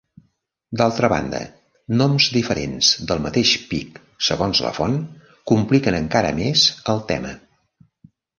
D'altra banda, noms diferents del mateix pic segons la font compliquen encara més el tema.